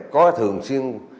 có thường xuyên